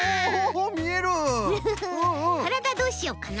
からだどうしよっかな。